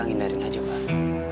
hindarin aja bang